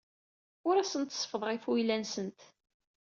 Ur asent-seffḍeɣ ifuyla-nsent.